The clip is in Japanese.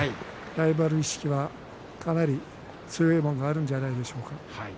ライバル意識はかなり強いものがあるんじゃないでしょうか。